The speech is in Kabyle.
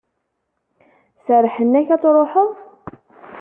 Serrḥen-ak ad truḥeḍ?